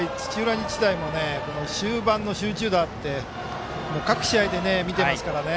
日大も終盤の集中打って各試合で見ていますからね。